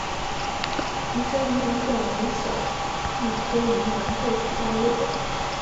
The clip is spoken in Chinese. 竹山淫羊藿为小檗科淫羊藿属下的一个种。